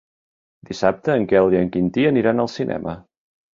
Dissabte en Quel i en Quintí aniran al cinema.